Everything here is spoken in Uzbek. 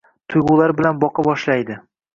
Tuygʻulari bilan boqa boshlaydi